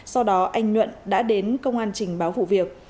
sau đó anh nhuận đã đến công an trình báo vụ việc